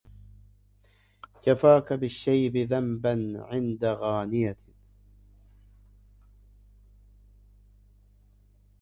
كفاك بالشيب ذنبا عند غانية